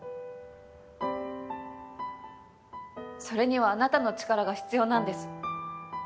それにはあなたの力が必要なんです。